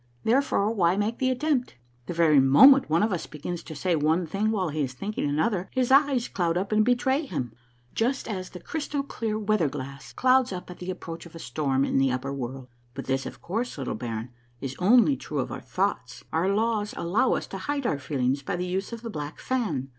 There fore why make the attempt? The very moment one of us begins to say one thing while he is thinking another, his eyes cloud up and betray him, just us the crystal clear weather glass clouds up at the approach of a storm in the upper world. But this, of course, little baron, is only true of our thoughts. Our laws allow us to hide our feelings by the use of the black fan.